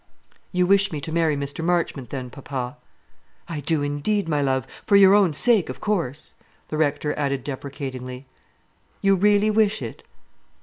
"You wish me to many Mr. Marchmont, then, papa?" "I do, indeed, my love. For your own sake, of course," the Rector added deprecatingly. "You really wish it?"